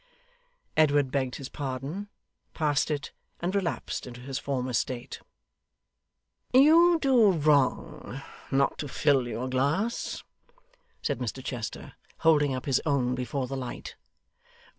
Edward begged his pardon, passed it, and relapsed into his former state. 'You do wrong not to fill your glass,' said Mr Chester, holding up his own before the light.